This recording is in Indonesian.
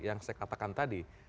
yang saya katakan tadi